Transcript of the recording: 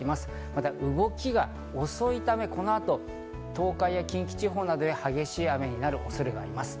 また動きが遅いため、この後、東海や近畿地方などで激しい雨になる恐れがあります。